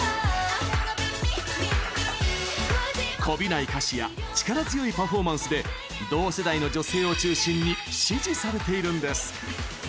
こびない歌詞や力強いパフォーマンスで同世代の女性を中心に支持されているんです。